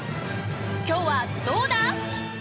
今日はどうだ？